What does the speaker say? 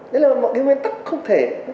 nên là một cái nguyên tắc không thể